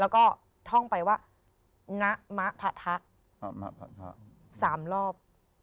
แล้วก็ท่องไปว่างะมะพะทะสามรอบ